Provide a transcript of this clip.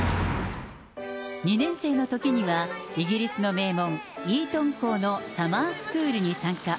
２年生のときにはイギリスの名門、イートン校のサマースクールに参加。